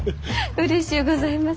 うれしゅうございます。